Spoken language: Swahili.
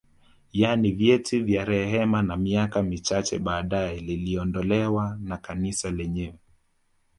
Yaani vyeti vya rehema na miaka michache baadae liliondolewa na Kanisa lenyewe